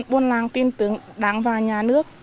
buôn làng tin tưởng đảng và nhà nước